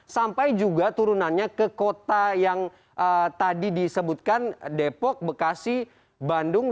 sampai juga turunannya ke kota yang tadi disebutkan depok bekasi bandung